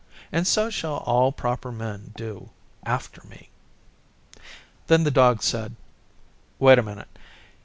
And so shall all proper Men do after me!' Then the Dog said, 'Wait a minute.